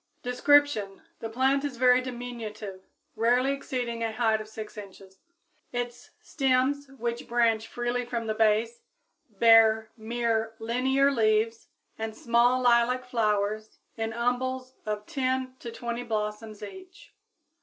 Description. The plant is very diminutive, rarely exceeding a height of 6 inches. Its stems, which branch freely from the base, bear mere linear leaves and small lilac flowers, in little umbels of 10 to 20 blossoms each.